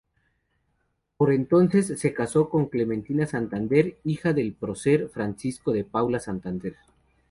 Por entonces se casó con Clementina Santander, hija del prócer Francisco de Paula Santander.